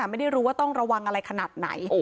ไม่รู้ว่าต้องระวังอะไรขนาดไหน